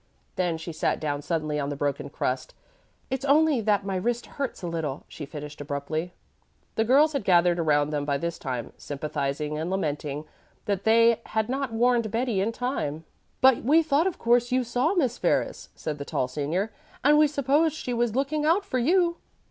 Then she sat down suddenly on the broken crust. "It's only that my wrist hurts a little," she finished abruptly. The girls had gathered around them by this time, sympathizing and lamenting that they had not warned Betty in time. "But we thought of course you saw Miss Ferris," said the tall senior, "and we supposed she was looking out for you."